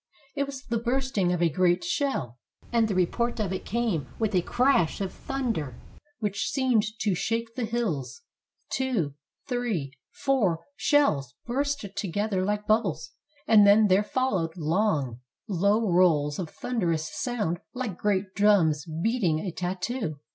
It was the bursting of a great shell, and the report of it came with a crash of thunder which seemed to shake the hills. Two, three, four shells burst together like bubbles, and then there followed long, 436 THE SIEGE OF ADRIANOPLE low rolls of thunderous sound like great drums beating a tattoo.